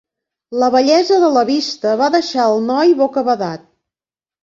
La bellesa de la vista va deixar el noi bocabadat.